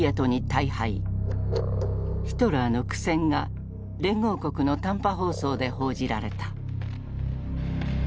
ヒトラーの苦戦が連合国の短波放送で報じられた。